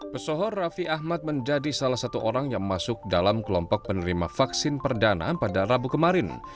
pesohor raffi ahmad menjadi salah satu orang yang masuk dalam kelompok penerima vaksin perdana pada rabu kemarin